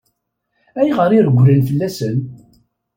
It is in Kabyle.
Ayɣer i regglen fell-asen?